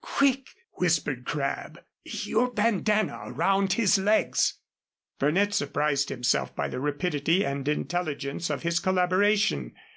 "Quick," whispered Crabb; "your bandanna around his legs." Burnett surprised himself by the rapidity and intelligence of his collaboration.